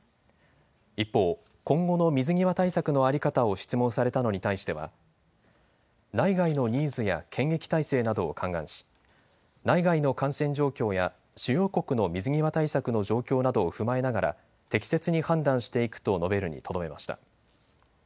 一方、今後の水際対策の在り方を質問されたのに対しては内外のニーズや検疫体制などを勘案し内外の感染状況や主要国の水際対策の状況などを踏まえながら適切に判断していくと述べるにとどめました。